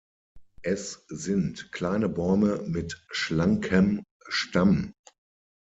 Es sind kleine Bäume mit schlankem Stamm.